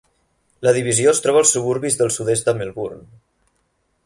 La divisió es troba als suburbis del sud-est de Melbourne.